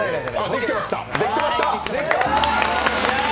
できてました。